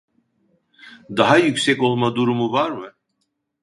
Daha yüksek olma durumu var mı?